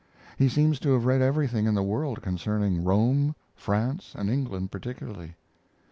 He seems to have read everything in the world concerning Rome, France, and England particularly.